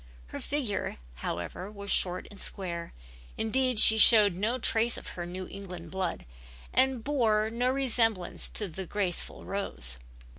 Her figure, however, was short and square, indeed she showed no trace of her New England blood and bore no resemblance to graceful Rose.